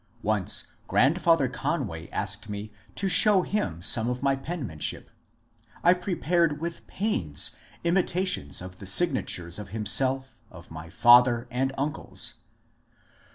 Once grandfather Conway asked me to show him some of my pen manship. I prepared with pains imitations of the signatures of himself, of my father, and uncles.